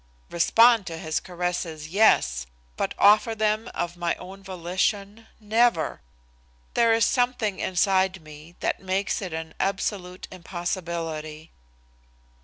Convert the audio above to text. Respond to his caresses, yes! but offer them of my own volition, never! There is something inside me that makes it an absolute impossibility.